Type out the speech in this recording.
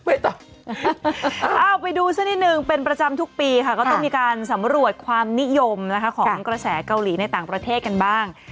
เอาไปดูซะนิดนึงเป็นประจำทุกปีค่ะก็ต้องมีการสำรวจความนิยมนะคะของกระแสเกาหลีในต่างประเทศกันบ้าง